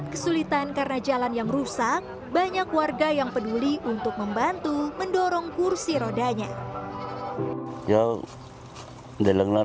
terkadang ada warga yang membantu mengambilkan kursi roda warsono